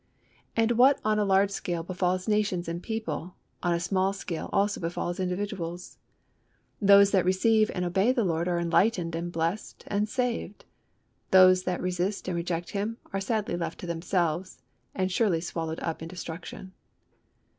And what on a large scale befalls nations and people, on a small scale also befalls individuals. Those that receive and obey the Lord are enlightened and blessed and saved; those that resist and reject Him are sadly left to themselves and surely swallowed up in destruction.